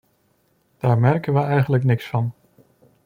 Daar merkten wij eigenlijk niks van.